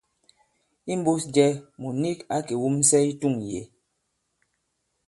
Imbūs jɛ, mùt nik ǎ kè wumsɛ i tûŋ yě.